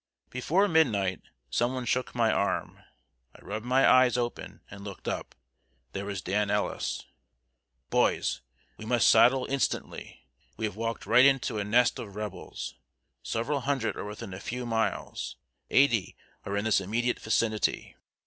] Before midnight some one shook my arm. I rubbed my eyes open and looked up. There was Dan Ellis. "Boys, we must saddle instantly. We have walked right into a nest of Rebels. Several hundred are within a few miles; eighty are in this immediate vicinity.